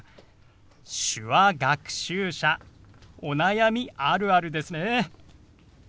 手話学習者お悩みあるあるですね。